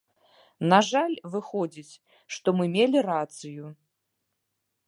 На жаль, выходзіць, што мы мелі рацыю.